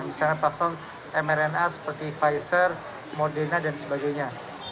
misalnya platform mrna seperti pfizer moderna dan sebagainya